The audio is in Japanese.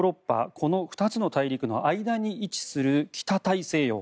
この２つの大陸の間に位置する北大西洋。